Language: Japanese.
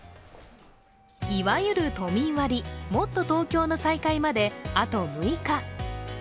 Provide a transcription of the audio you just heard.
いわゆる都民割、もっとＴｏｋｙｏの再開まで、あと６日。